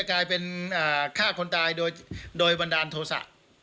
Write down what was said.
กลายเป็นฆ่าคนตายโดยบันดาลโทษะ